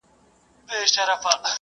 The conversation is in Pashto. زه به سبا ځواب ليکم